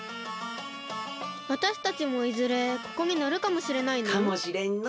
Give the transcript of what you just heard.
わたしたちもいずれここにのるかもしれないの？かもしれんの。